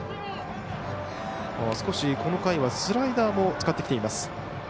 少しこの回はスライダーも使ってきています。